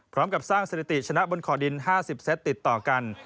พร้อมกับสร้างสถิติชนะบนขอดิน๕๐เซตติดต่อกัน